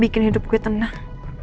bikin hidup gue tenang